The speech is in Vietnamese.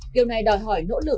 điều này đòi hỏi nỗ lực